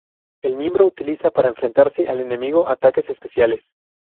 El miembro utiliza para enfrentarse al enemigo ataques especiales.